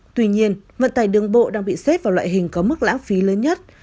tuy nhiên vận tải đường bộ đang bị xếp vào loại hình có mức lãng phí lớn nhất